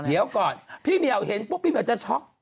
เดี๋ยวก่อนพี่เหมียวเห็นปุ๊บพี่เหี่ยวจะช็อก